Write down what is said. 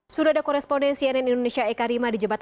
surada korespondensi nn indonesia ekarima